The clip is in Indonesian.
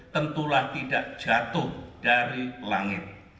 tentulah tidak jatuh dari langit